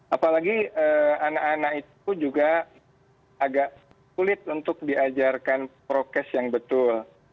apalagi anak anak itu juga agak sulit untuk diajarkan prokes yang betul